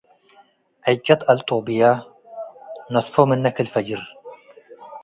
ዕጨት አልጦብያ - ነትፎ ምነ ክል ፈጅር፣